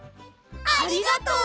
ありがとう！